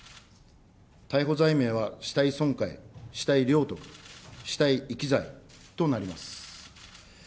逮捕罪名は、死体損壊、死体領得、死体遺棄罪となります。